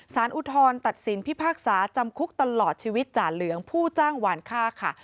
อุทธรณ์ตัดสินพิพากษาจำคุกตลอดชีวิตจ่าเหลืองผู้จ้างหวานค่าค่ะ